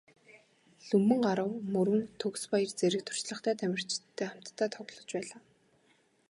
Лхүмбэнгарав, Мөрөн, Төгсбаяр зэрэг туршлагатай тамирчидтай хамтдаа тоглож байлаа.